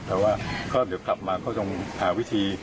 แต่ว่าก็เดี๋ยวกลับมาก็คงหาวิธี